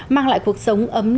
mang lại cuộc sống ấm nong